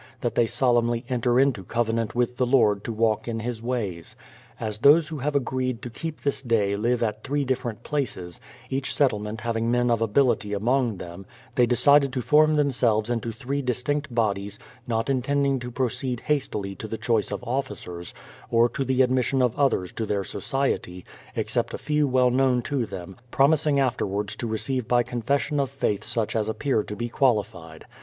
that they solemnly enter into covenant with the Lord to walk in His ways. As those who have agreed to keep this day live at three different places, each settlement having men of ability among them, they decided to form themselves into three distinct bodies, not intending to proceed hastily to the choice of officers, or the admission of others to their society, except a few well known to them, promising afterwards to receive by confession of faith such as appear to be qualified.